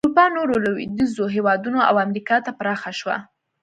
د اروپا نورو لوېدیځو هېوادونو او امریکا ته پراخه شوه.